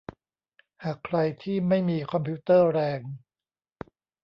หากใครที่ไม่มีคอมพิวเตอร์แรง